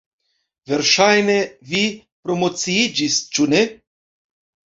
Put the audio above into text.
Verŝajne, vi promociiĝis, ĉu ne?